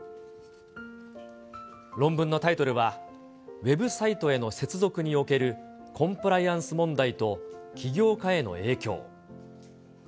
論文のタイトルは、ウェブサイトへの接続におけるコンプライアンス問題と起業家への影響。